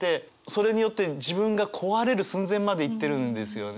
それによって自分が壊れる寸前までいってるんですよね。